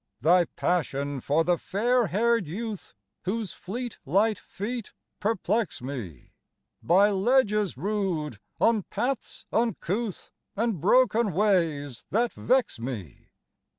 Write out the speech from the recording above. "Thy passion for the fair haired youth whose fleet, light feet perplex me By ledges rude, on paths uncouth, and broken ways that vex me?